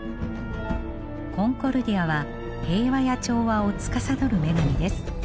コンコルディアは平和や調和をつかさどる女神です。